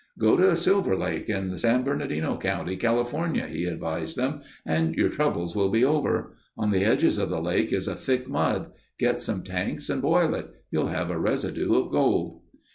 "Go to Silver Lake, in San Bernardino County, California," he advised them, "and your troubles will be over. On the edges of the lake is a thick mud. Get some tanks and boil it. You'll have a residue of gold."